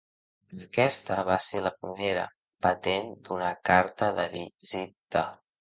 Aquesta va ser la primera patent d'una carta de visita.